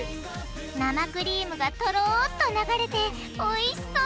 生クリームがとろっと流れておいしそう！